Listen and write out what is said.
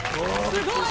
すごい！